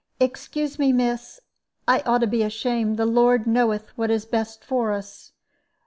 Excuse me, miss, I ought to be ashamed. The Lord knoweth what is best for us.